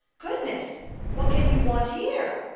" Goodness ! what can you want here